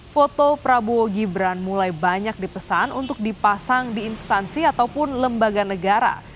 foto prabowo gibran mulai banyak dipesan untuk dipasang di instansi ataupun lembaga negara